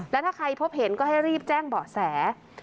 แล้วถ้าใครพบเห็นก็ให้รีบแจ้งเบาะแส